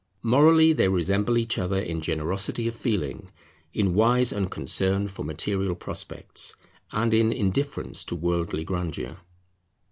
Morally they resemble each other in generosity of feeling, in wise unconcern for material prospects, and in indifference to worldly grandeur.